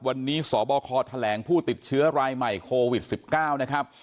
วันนี้สบคแถลงผู้ติดเชื้อรายใหม่โควิด๑๙นะครับ